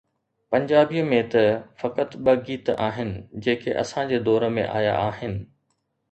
پنجابيءَ ۾ ته فقط ٻه گيت آهن، جيڪي اسان جي دور ۾ آيا آهن.